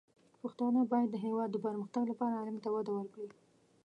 پښتانه بايد د هېواد د پرمختګ لپاره علم ته وده ورکړي.